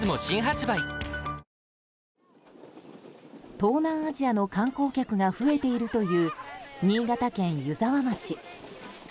東南アジアの観光客が増えているという新潟県湯沢町。